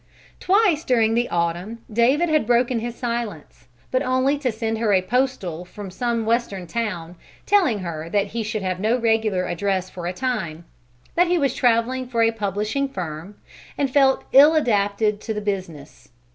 Twice during the autumn David had broken his silence, but only to send her a postal from some Western town, telling her that he should have no regular address for a time; that he was traveling for a publishing firm and felt ill adapted to the business.